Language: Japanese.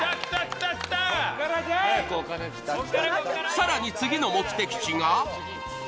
更に次の目的地が。